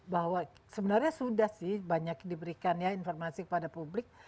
bahwa sebenarnya sudah sih banyak diberikan ya informasi kepada publik